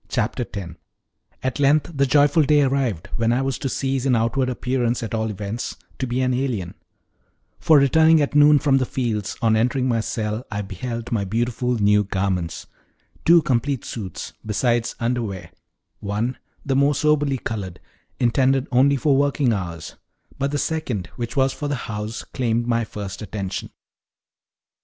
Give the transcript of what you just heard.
Chapter 10 At length the joyful day arrived when I was to cease, in outward appearance at all events, to be an alien; for returning at noon from the fields, on entering my cell I beheld my beautiful new garments two complete suits, besides underwear: one, the most soberly colored, intended only for working hours; but the second, which was for the house, claimed my first attention.